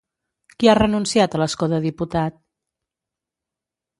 Qui ha renunciat a l'escó de diputat?